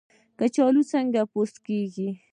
کچالو څنګه پوست کیږي؟